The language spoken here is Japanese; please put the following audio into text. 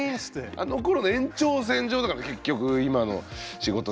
あのころの延長線上だから結局今の仕事なんてね。